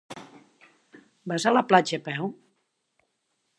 Vas a la platja a peu?